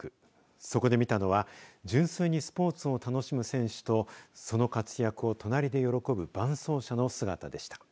そこで見たのは純粋にスポーツを楽しむ選手とその活躍を隣で喜ぶ伴走者の姿でした。